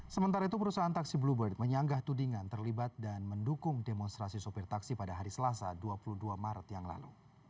sementara itu perusahaan taksi bluebird menyanggah tudingan terlibat dan mendukung demonstrasi sopir taksi pada hari selasa dua puluh dua maret yang lalu